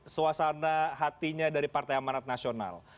suasana hatinya dari partai amarat nasional